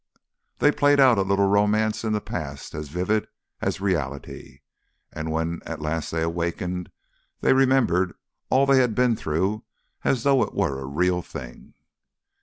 They played out a little romance in the past as vivid as reality, and when at last they awakened they remembered all they had been through as though it were a real thing.